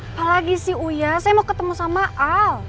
apalagi si uya saya mau ketemu sama al